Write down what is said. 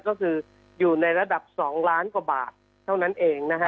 ก็คืออยู่ในระดับ๒ล้านกว่าบาทเท่านั้นเองนะฮะ